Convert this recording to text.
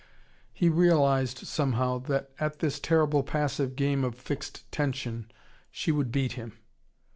He realised, somehow, that at this terrible passive game of fixed tension she would beat him.